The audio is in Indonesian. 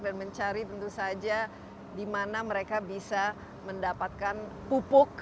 dan mencari tentu saja di mana mereka bisa mendapatkan pupuk